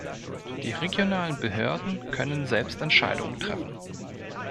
Die regionalen Behörden können selbst Entscheidungen treffen.